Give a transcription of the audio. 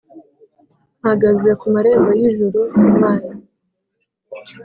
mpagaze ku marembo y'ijuru, my